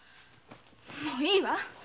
もういいわ。